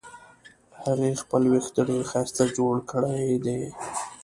هغې خپل وېښته ډېر ښایسته جوړ کړې دي